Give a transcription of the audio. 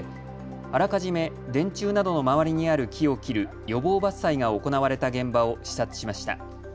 あらかじめ電柱などの周りにある木を切る予防伐採が行われた現場を視察しました。